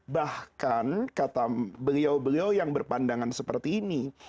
bahkan kata beliau beliau yang berpandangan seperti ini